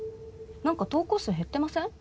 何か投稿数減ってません？